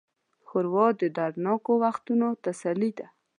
ښوروا د دردناکو وختونو تسلي ده.